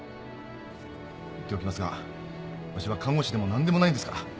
言っておきますがわしは看護師でも何でもないんですから。